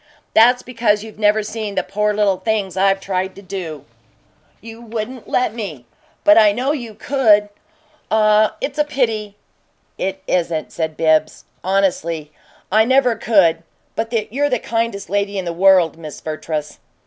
"That's because you've never seen the poor little things I've tried to do." "You wouldn't let me, but I KNOW you could! Ah, it's a pity!" "It isn't," said BIBBS, honestly. "I never could but you're the kindest lady in this world, Miss Vertrees."